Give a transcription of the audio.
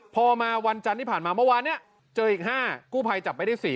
พอมาวันจันทร์ที่ผ่านมาเมื่อวานเนี่ยเจออีก๕กู้ภัยจับไม่ได้๔